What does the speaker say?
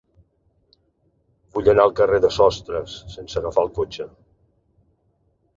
Vull anar al carrer de Sostres sense agafar el cotxe.